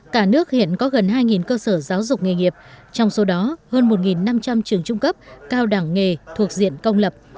cả nước hiện có gần hai cơ sở giáo dục nghề nghiệp trong số đó hơn một năm trăm linh trường trung cấp cao đẳng nghề thuộc diện công lập